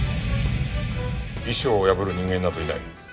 遺書を破る人間などいない。